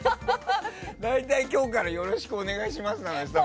大体、今日からよろしくお願いしますなのにさ